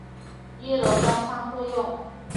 一楼当仓库用